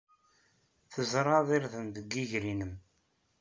Tzerɛed irden deg yiger-nnem.